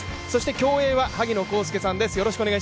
競泳は萩野公介さんです。